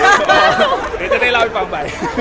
อยากมีน้องครับ